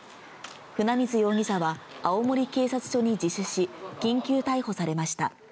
船水容疑者は青森警察署に自首し、緊急逮捕されました。